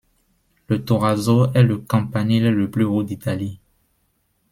Le Torrazzo est le campanile le plus haut d’Italie.